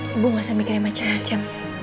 ibu gak usah mikirin macem macem